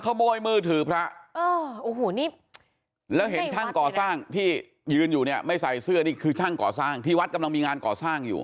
ขโมยมือถือพระเออโอ้โหนี่แล้วเห็นช่างก่อสร้างที่ยืนอยู่เนี่ยไม่ใส่เสื้อนี่คือช่างก่อสร้างที่วัดกำลังมีงานก่อสร้างอยู่